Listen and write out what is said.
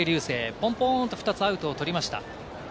ポンポンと２つアウトを取りました。